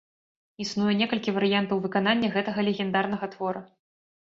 Існуе некалькі варыянтаў выканання гэтага легендарнага твора.